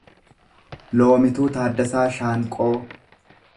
Loomituu Taaddasaa Shaanqoo